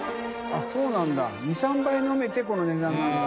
△そうなんだ２３杯飲めてこの値段なんだ。